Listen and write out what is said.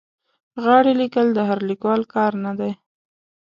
غاړې لیکل د هر لیکوال کار نه دی.